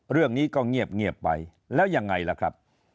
เรื่องนี้ก็เงียบไปแล้วยังไงล่ะครับ